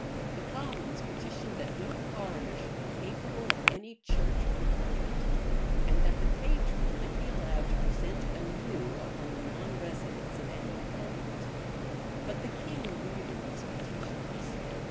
The commons petitioned, that no foreigner should be capable of any church preferment, and that the patron might be allowed to present anew upon the non residence of any incumbent:[*] but the king eluded these petitions.